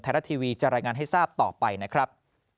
รัฐทีวีจะรายงานให้ทราบต่อไปนะครับ